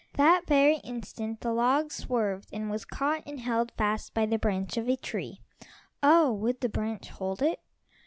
That very instant the log swerved and was caught and held fast by the branch of a tree. Oh, would the branch hold it?